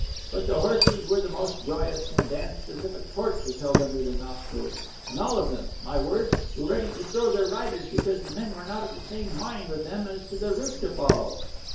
But the horses were the most joyous, and danced as if a torch was held under their nostrils, and all of them, my word! were ready to throw their riders because the men were not of the same mind with them as to the route to follow!